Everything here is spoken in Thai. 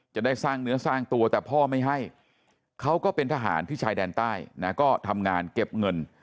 จะได้สร้างเนื้อสร้างตัวแต่พ่อไม่ให้เขาก็เป็นทหารที่ชายแดนใต้นะก็ทำงานเก็บเงิน